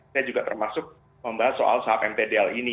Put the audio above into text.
saya juga termasuk membahas soal saham mtdl ini